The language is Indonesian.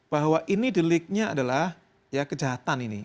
bahwa ini deliknya adalah ya kejahatan ini